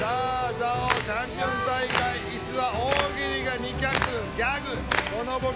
「座王チャンピオン大会」椅子は大喜利が２脚ギャグものボケ